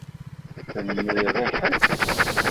Tenniḍ i ḥedd?